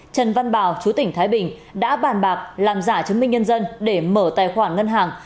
trần văn bảo chú tỉnh thái bình đã bàn bạc làm giả chứng minh nhân dân để mở tài khoản ngân hàng